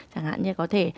chẳng hạn như có thể